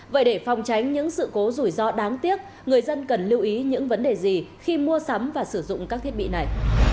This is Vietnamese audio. vậy để phòng tránh những sự cố rủi ro đáng tiếc người dân cần lưu ý những vấn đề gì khi mua sắm và sử dụng các thiết bị này